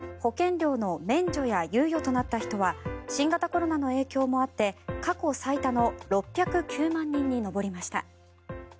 一方で、保険料の免除や猶予となった人は新型コロナの影響もあって過去最多の６０９万人に上りました。